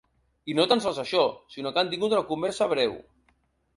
I no tan sols això, sinó que han tingut una conversa breu.